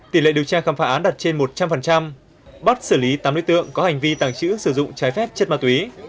tỷ lệ điều tra khám phá án đạt trên một trăm linh bắt xử lý tám đối tượng có hành vi tàng trữ sử dụng trái phép chất ma túy